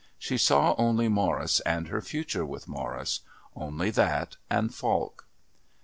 She saw only Morris and her future with Morris only that and Falk.